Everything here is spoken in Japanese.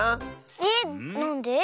えっなんで？